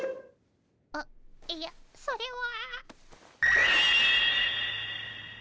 あっいやそれは。